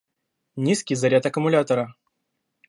Низкий заряд аккумулятора